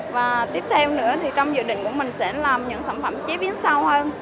và tiếp theo nữa thì trong dự định của mình sẽ làm những sản phẩm chế biến sâu hơn